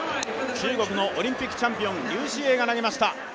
中国のオリンピックチャンピオン、劉詩穎が投げました。